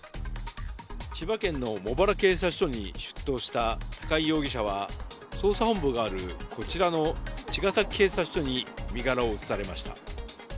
千葉県の茂原警察署に出頭した高井容疑者は捜査本部があるこちらの茅ヶ崎警察署に身柄を移されました。